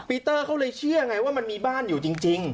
ปีเตอร์เขาเลยเชื่อไงว่ามันมีบ้านอยู่จริง